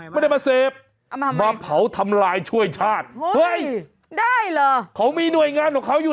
ไม่ได้มาเสพมาเผาทำลายช่วยชาติเฮ้ยได้เหรอเขามีหน่วยงานของเขาอยู่